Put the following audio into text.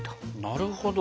なるほど。